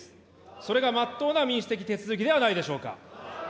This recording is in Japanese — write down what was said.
それがまっとうな民主的手続きではないでしょうか。